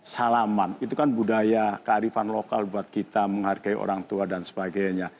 salaman itu kan budaya kearifan lokal buat kita menghargai orang tua dan sebagainya